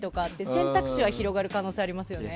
選択肢が広がる可能性はありますよね。